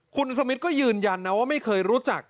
คุณสมิทก็ยืนยันนะว่าไม่เคยรู้จัก